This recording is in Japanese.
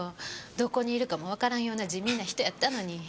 どこにいるかもわからんような地味な人やったのに。